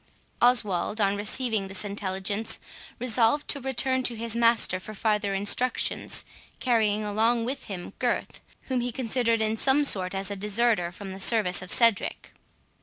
Oswald, on receiving this intelligence, resolved to return to his master for farther instructions, carrying along with him Gurth, whom he considered in some sort as a deserter from the service of Cedric.